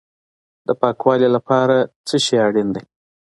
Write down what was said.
د پاکوالي لپاره څه شی اړین دی؟